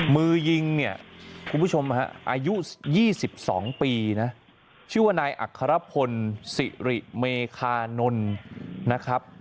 มือยิงคุณผู้ชมอายุ๒๒ปีชื่อว่านายอัคครพลศิริเมฆานนท์